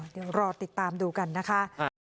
เดี๋ยวรอติดตามดูกันนะคะ